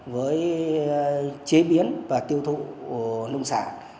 với chế biến và tiêu thụ nông sản